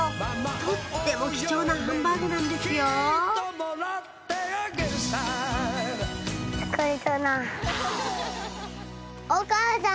とっても貴重なハンバーグなんですよおかあさん！